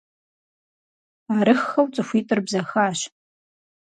Арыххэу цӀыхуитӏыр бзэхащ.